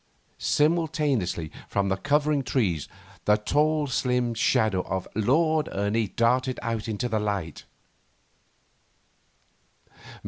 Simultaneously, from the covering trees, the tall, slim shadow of Lord Ernie darted out into the light.